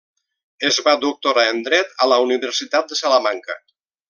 Es va doctorar en dret a la Universitat de Salamanca.